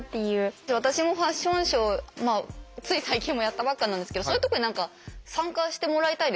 じゃあ私もファッションショーつい最近もやったばっかなんですけどそういうとこに何か参加してもらいたいですよねもっと。